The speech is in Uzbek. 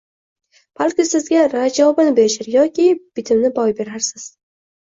Balki sizga rad javobini berishar yoki bitimni boy berarsiz...